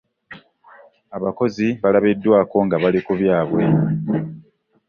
Abakozi balabiddwaako nga bali ku byabwe.